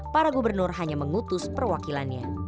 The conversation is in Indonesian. para gubernur hanya mengutus perwakilannya